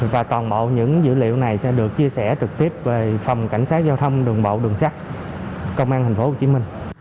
và toàn bộ những dữ liệu này sẽ được chia sẻ trực tiếp về phòng cảnh sát giao thông đường bộ đường sắt công an tp hcm